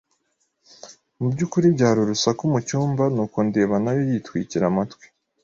Mu byukuri byari urusaku mu cyumba nuko ndeba nayo yitwikira amatwi.